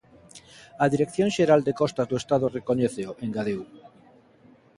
A Dirección Xeral de Costas do Estado recoñéceo, engadiu.